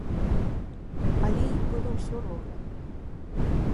Але ім было ўсё роўна.